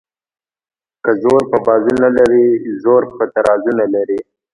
که زور په بازو نه لري زر په ترازو نه لري.